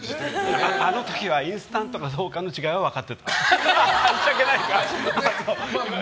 あの時はインスタントかどうかの違いは分かってた。